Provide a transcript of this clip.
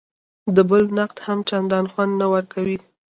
د بل نقد هم چندان خوند نه ورکوي.